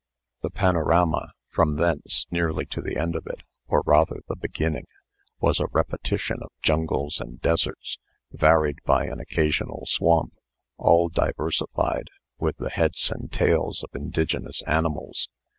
The panorama, from thence nearly to the end of it or rather the beginning was a repetition of jungles and deserts, varied by an occasional swamp, all diversified with the heads and tails of indigenous animals.